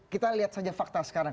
kita lihat saja fakta sekarang